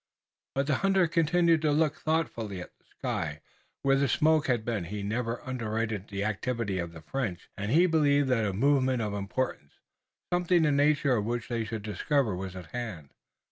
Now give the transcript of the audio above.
But the hunter continued to look thoughtfully at the sky, where the smoke had been. He never underrated the activity of the French, and he believed that a movement of importance, something the nature of which they should discover was at hand.